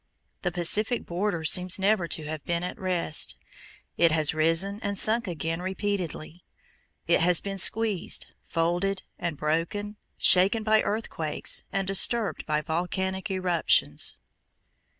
The Pacific border seems never to have been at rest. It has risen and sunk again repeatedly. It has been squeezed, folded, and broken, shaken by earthquakes, and disturbed by volcanic eruptions.